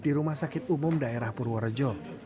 di rumah sakit umum daerah purworejo